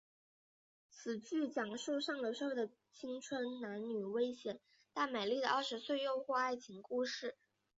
此剧讲述上流社会的青春男女危险但美丽的二十岁诱惑爱情故事。